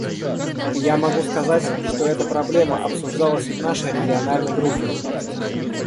И я могу сказать, что эта проблема обсуждалась и в нашей региональной группе.